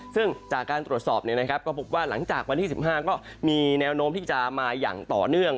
ซึ่งจากการตรวจสอบก็พบว่าหลังจากวันที่๑๕ก็มีแนวโน้มที่จะมาอย่างต่อเนื่อง